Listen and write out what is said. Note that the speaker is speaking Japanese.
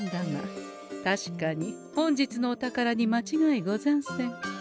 確かに本日のお宝にまちがいござんせん。